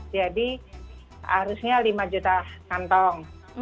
jadi harusnya lima juta kantong